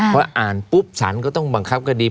พออ่านปุ๊บสารก็ต้องบังคับคดี